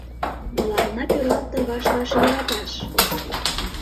Мыланна пӱралте ваш-ваш йӧраташ…